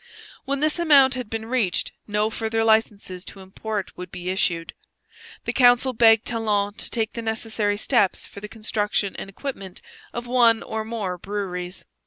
When this amount had been reached, no further licences to import would be issued. The council begged Talon to take the necessary steps for the construction and equipment of one or more breweries.